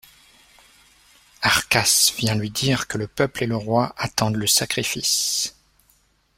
Arcas vient lui dire que le peuple et le roi attendent le sacrifice.